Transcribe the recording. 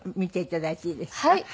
はい。